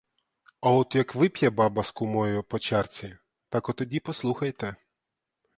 А от як вип'є баба з кумою по чарці, так отоді послухайте!